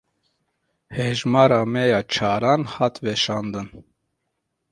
Hejmara me ya çaran hat weşandin.